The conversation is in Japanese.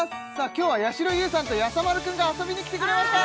今日はやしろ優さんとやさ丸くんが遊びにきてくれました